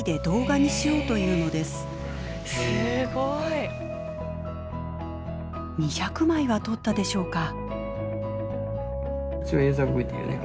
すごい！２００枚は撮ったでしょうか。